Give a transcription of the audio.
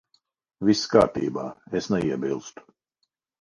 Viss kārtībā. Es neiebilstu.